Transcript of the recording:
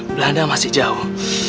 belanda masih jauh